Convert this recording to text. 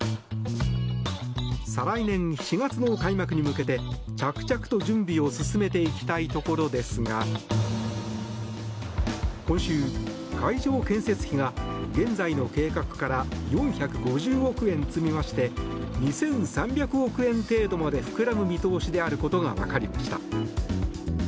再来年４月の開幕に向けて着々と準備を進めていきたいところですが今週、会場建設費が現在の計画から４５０億円積み増して２３００億円程度まで膨らむ見通しであることが分かりました。